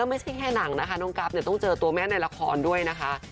ไม่ใช่แค่หนังนะคะน้องกั๊บต้องเจอตัวแม่ในละครด้วยนะคะ